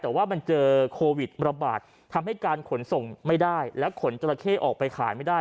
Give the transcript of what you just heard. แต่ว่ามันเจอโควิดระบาดทำให้การขนส่งไม่ได้แล้วขนจราเข้ออกไปขายไม่ได้